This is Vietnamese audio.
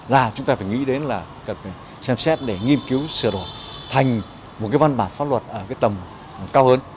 và chúng ta phải nghĩ đến là cần xem xét để nghiên cứu sửa đổi thành một cái văn bản pháp luật ở cái tầm cao hơn